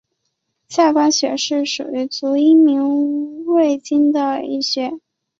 下关穴是属于足阳明胃经的腧穴。